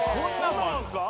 そうなんですか！？